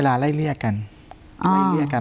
ไม่เรียกกันไม่เรียกกัน